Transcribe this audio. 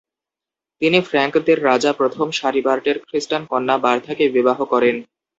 তিনি ফ্র্যাংকদের রাজা প্রথম শারিবার্টের খ্রিস্টান কন্যা বার্থাকে বিবাহ করেন।